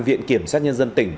viện kiểm sát nhân dân tỉnh